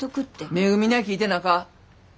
めぐみには聞いてなか。